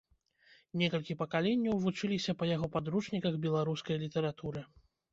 Некалькі пакаленняў вучыліся па яго падручніках беларускай літаратуры.